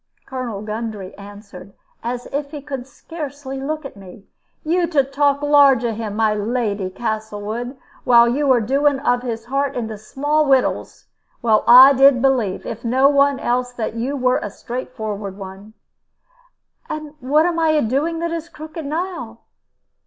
Colonel Gundry answered, as if he could scarcely look at me. "You to talk large of him, my Lady Castlewood, while you are doing of his heart into small wittles! Well, I did believe, if no one else, that you were a straightforward one." "And what am I doing that is crooked now?"